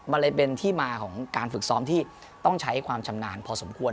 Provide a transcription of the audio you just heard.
มันเลยเป็นที่มาของการฝึกซ้อมที่ต้องใช้ความชำนาญพอสมควร